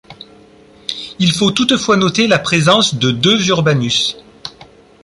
Il faut toutefois noter la présence de deux Urbanus.